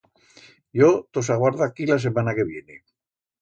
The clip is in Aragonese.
Yo tos aguardo aquí la semana que viene.